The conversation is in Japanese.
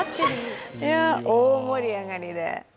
大盛り上がりで。